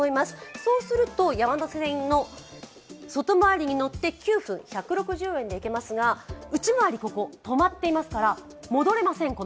そうすると山手線の外回りに乗って９分、１６０円で行けますが内回り、ここ止まっていますからこのまま戻れません。